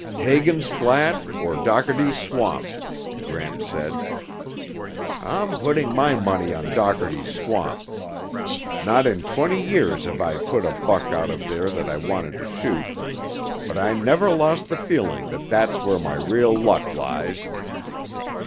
"Hagen's Flat or Dockerty's Swamp," Gramps said. "I'm putting my money on Dockerty's Swamp. Not in twenty years have I put a buck out of there that I wanted to shoot, but I never lost the feeling that that's where my real luck lies.